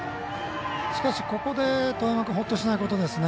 ここで當山君はほっとしないことですね。